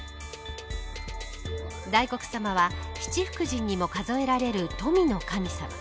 大黒様は七福神にも数えられる富の神様。